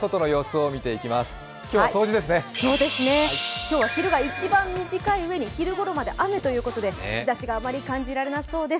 今日は昼が一番短い上に、昼ごろまで雨ということで日ざしがあまり感じられなさそうです。